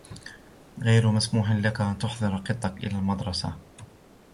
غير مسموح لك أن تحضر قطك إلى المدرسة.